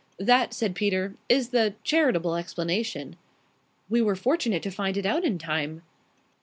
"That," said Peter, "is the charitable explanation." "We were fortunate to find it out in time."